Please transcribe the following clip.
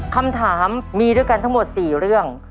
คำถามมีด้วยกันทั้งหมด๔เรื่อง